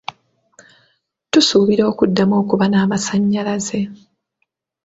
Tusuubira okuddamu okuba n'amasannyalaze.